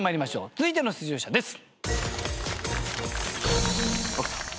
続いての出場者です。